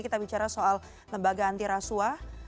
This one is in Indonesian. kita bicara soal lembaga anti rasuah